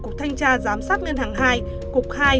cục thanh tra giám sát ngân hàng hai cục hai